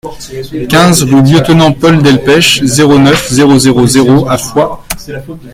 quinze rue Lieutenant Paul Delpech, zéro neuf, zéro zéro zéro à Foix